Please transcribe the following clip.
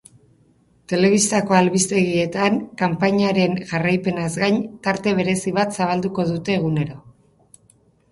Telebistako albistegietan, kanpainaren jarraipenaz gain, tarte berezi bat zabalduko dute egunero.